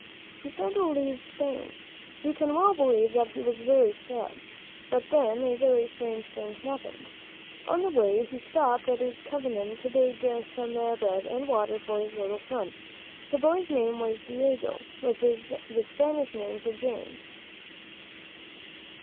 He started to leave Spain. You can well believe that he was very sad. But then a very strange thing happened. On the way he stopped at a convent to beg some bread and water for his little son. This boy's name was Diego, which is the Spanish name for James.